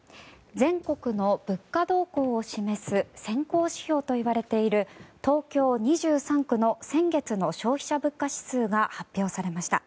全国の物価動向を示す先行指標と言われている東京２３区の先月の消費者物価指数が発表されました。